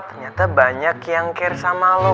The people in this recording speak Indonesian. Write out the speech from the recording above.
ternyata banyak yang care sama lo